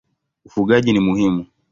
Ufugaji ni muhimu.